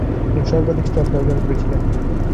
তিনি সর্বাধিক শ্রদ্ধা অর্জন করেছিলেন।